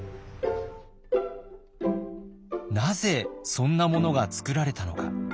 なぜそんなものが作られたのか。